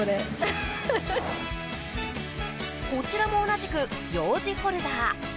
こちらも同じくようじホルダー。